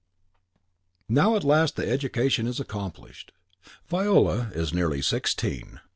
Now at last the education is accomplished! Viola is nearly sixteen.